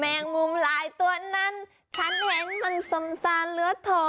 แมงมุมรายตัวนั้นฉันแหงมันสำซานเลื้อถน